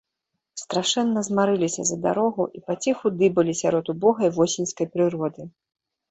Страшэнна змарыліся за дарогу і паціху дыбалі сярод убогай восеньскай прыроды.